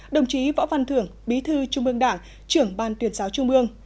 đồng chí võ văn thưởng bí thư trung mương đảng trưởng ban tuyển giáo trung mương